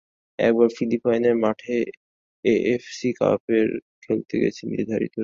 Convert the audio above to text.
একবার ফিলিপাইনের মাঠে এএফসি কাপের ম্যাচ খেলতে গেছে নির্ধারিত সময়ের পর।